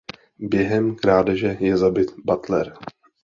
Během krádeže je zabit Butler.